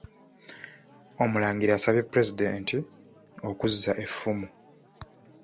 Omulangira asabye Pulezidenti okuzza effumu.